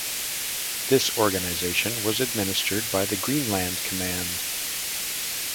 This organization was administered by the Greenland Command.